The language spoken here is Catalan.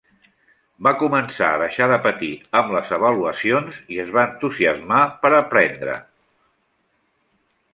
Va començar a deixar de patir amb les avaluacions i es va entusiasmar per aprendre.